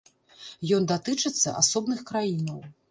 Ён датычыцца асобных краінаў.